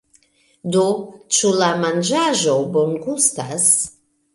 Do, ĉu la manĝaĵo bongustas?